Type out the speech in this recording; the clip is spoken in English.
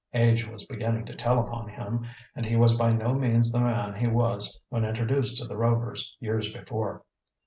Age was beginning to tell upon him and he was by no means the man he was when introduced to the Rovers years before.